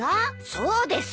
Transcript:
そうです。